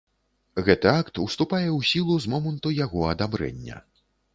Гэты акт уступае ў сілу з моманту яго адабрэння.